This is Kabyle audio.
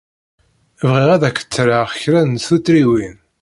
Bɣiɣ ad k-ttreɣ kra n tuttriwin.